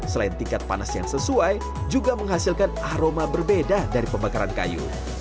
selain tingkat panas yang sesuai juga menghasilkan aroma berbeda dari pembakaran kayu